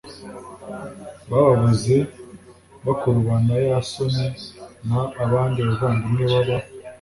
bababuze bakurubana yasoni n abandi bavandimwe baba